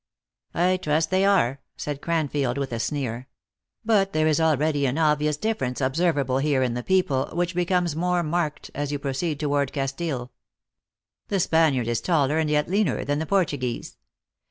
4 "I trust they are," said Cranfield, with a sneer. " But there is already an obvious difference observable here in the people, which becomes more marked as you proceed toward Castile. The Spaniard is taller and yet leaner than the Portuguese.